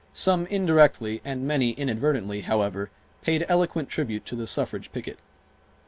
Some indirectly and many, inadvertently, however, paid eloquent tribute to the suffrage picket.